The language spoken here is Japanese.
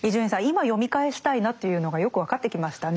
今読み返したいなというのがよく分かってきましたね。